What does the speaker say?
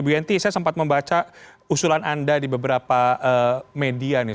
bu yenty saya sempat membaca usulan anda di beberapa media nih